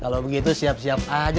kalau begitu siap siap aja